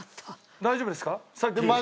大丈夫ですか？